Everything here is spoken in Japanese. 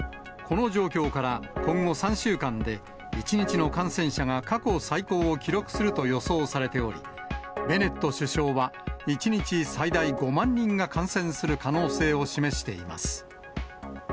この状況から今後３週間で、１日の感染者が過去最高を記録すると予想されており、ベネット首相は、１日最大５万人が感染する可能性を示しています。